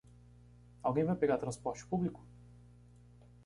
Alguém vai pegar transporte público?